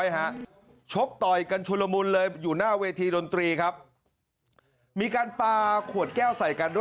ทุกคนสงบนะครับ